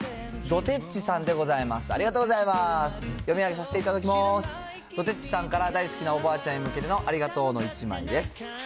どてっちさんから、大好きなおばあちゃんへ向けてのありがとうの１枚です。